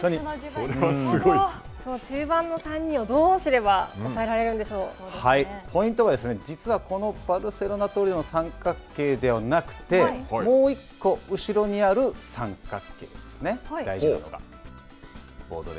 その中盤の３人をどうすれば抑ポイントは、実はこのバルセロナトリオの三角形ではなくて、もう１個後ろにある三角形なんですね、大事なのが。